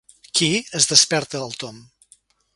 Qui? —es desperta el Tom.